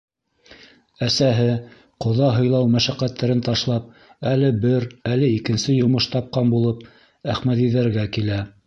Әсәһе, ҡоҙа һыйлау мәшәҡәттәрен ташлап, әле бер, әле икенсе йомош тапҡан булып, Әхмәҙиҙәргә килә.